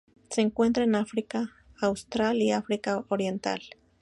Se encuentra en África austral y África Oriental.